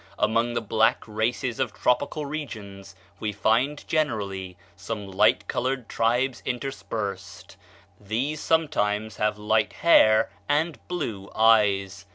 Among the black races of tropical regions we find, generally, some light colored tribes interspersed. These sometimes have light hair and blue eyes.